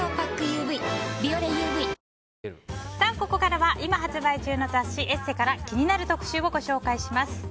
ここからは今発売中の雑誌「ＥＳＳＥ」から気になる特集をご紹介します。